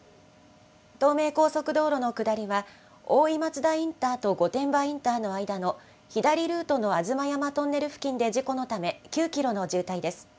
東名高速道路の下りは大井松田インターと御殿場インターの間の左ルートのあずまやまトンネル付近で事故のため９キロの渋滞です。